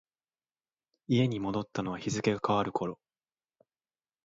家に戻ったのは日付が変わる頃。